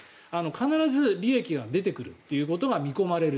必ず利益が出てくるということが見込まれる。